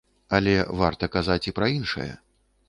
Але варта казаць і пра іншае.